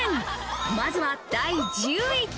まずは第１０位。